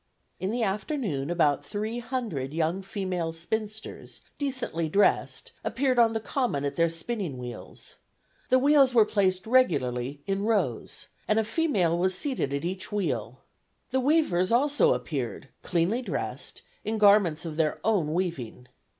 "In the afternoon about three hundred young female spinsters, decently dressed, appeared on the Common at their spinning wheels. The wheels were placed regularly in rows, and a female was seated at each wheel. The weavers also appeared, cleanly dressed, in garments of their own weaving.